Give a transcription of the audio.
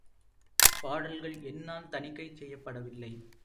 பாடல்கள் என்னால் தணிக்கை செய்யப்படவில்லை.